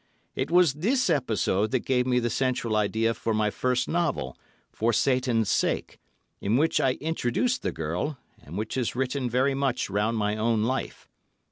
It was this episode that gave me the central idea for my first novel, "For Satan's Sake," in which I introduced the girl, and which is written very much round my own life.